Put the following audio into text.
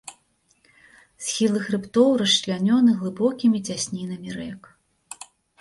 Схілы хрыбтоў расчлянёны глыбокімі цяснінамі рэк.